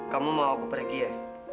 kamu mau aku pergi ya